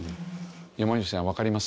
山之内さんわかります？